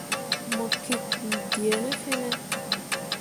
Mo gikki kpu dee ne fene.